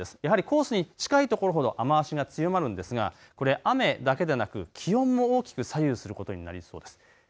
やはりコースに近いところほど雨足が強まるんですが、これ雨だけでなく気温も大きく左右することになりそうです。